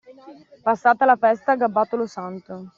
Passata la festa, gabbato lo santo.